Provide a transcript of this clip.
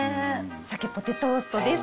鮭ポテトーストです。